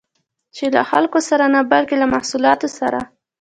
چې له خلکو سره نه، بلکې له محصولات سره